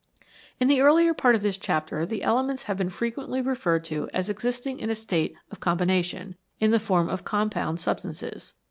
In the earlier part of this chapter the elements have been frequently referred to as existing in a state of com bination, in the form of compound substances.